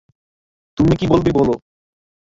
তুমি কি বলবে বলো?